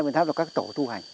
vườn tháp là các tổ tu hành